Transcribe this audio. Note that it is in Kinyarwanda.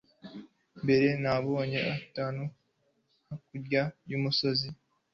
Mberabagabo atuye hakurya yumusozi.